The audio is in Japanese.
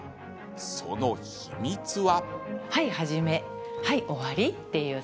その秘密は。